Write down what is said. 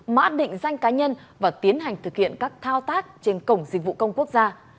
mã định danh cá nhân và tiến hành thực hiện các thao tác trên cổng dịch vụ công quốc gia